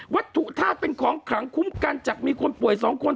วัตถุธาตุเป็นของขังคุ้มกันจากมีคนป่วย๒คน